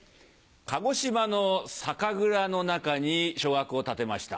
鹿児島の酒蔵の中に小学校を建てました。